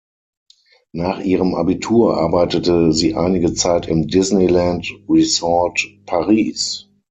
Nach ihrem Abitur arbeitete sie einige Zeit im Disneyland Resort Paris.